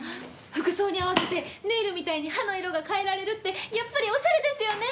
服装に合わせてネイルみたいに歯の色が変えられるってやっぱりおしゃれですよね？